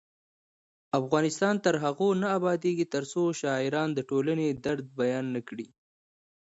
افغانستان تر هغو نه ابادیږي، ترڅو شاعران د ټولنې درد بیان نکړي.